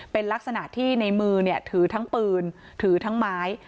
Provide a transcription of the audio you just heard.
เป็นลักษณะที่ในมือถือทั้งปืนถือทั้งไม้